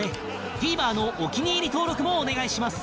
ＴＶｅｒ のお気に入り登録もお願いします